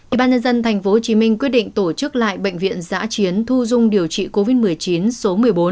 ủy ban nhân dân tp hcm quyết định tổ chức lại bệnh viện giã chiến thu dung điều trị covid một mươi chín số một mươi bốn